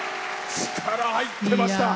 力、入ってました。